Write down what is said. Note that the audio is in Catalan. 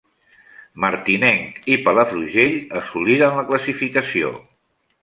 Martinenc i Palafrugell assoliren la classificació.